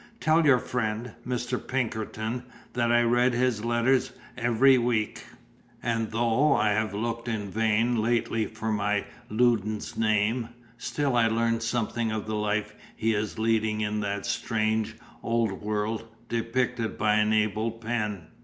Tell your friend, Mr. Pinkerton, that I read his letters every week; and though I have looked in vain lately for my Loudon's name, still I learn something of the life he is leading in that strange, old world, depicted by an able pen."